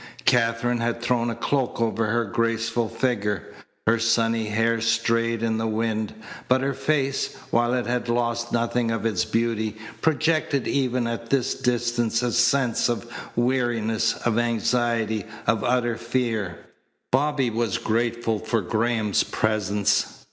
Katherine had thrown a cloak over her graceful figure. Her sunny hair strayed in the wind, but her face, while it had lost nothing of its beauty, projected even at this distance a sense of weariness, of anxiety, of utter fear. Bobby was grateful for Graham's presence.